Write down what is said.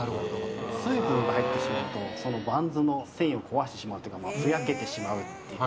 水分が入ってしまうと、そのバンズの繊維を壊してしまう、ふやけてしまうと。